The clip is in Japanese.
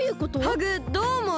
ハグどうおもう？